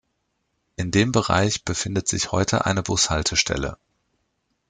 In dem Bereich befindet sich heute eine Bushaltestelle.